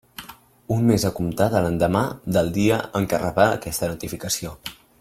Un mes a comptar de l'endemà del dia en què reba aquesta notificació.